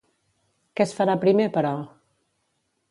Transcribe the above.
Què es farà primer, però?